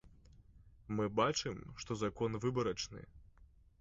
Мы бачым, што закон выбарачны.